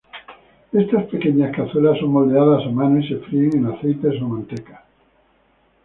Estas pequeñas cazuelas son moldeadas a mano y se fríen en aceite o manteca.